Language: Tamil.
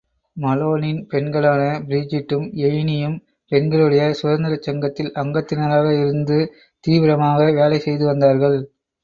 மலோனின் பெண்களான பிரிஜிட்டும் எயினியும் பெண்களுடைய சுதந்திரச் சங்கத்தில் அங்கத்தினராக இருந்து தீவிரமாக வேலை செய்து வந்தார்கள்.